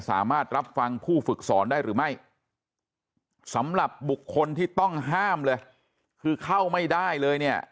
สามารถรับฟังผู้ฝึกสอนได้หรือไม่สำหรับบุคคลที่ต้องห้ามเลยคือเข้าไม่ได้เลยเนี่ย